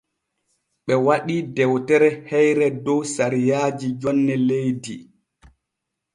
Ɓe waɗii dewtere heyre dow sariyaaji jonne leydi.